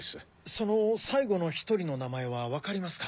その最後の１人の名前は分かりますか？